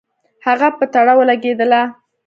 هغه په تړه ولګېدله.